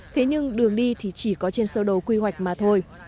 thế nhưng đường đi thì chỉ có trên sơ đồ quy hoạch mà thôi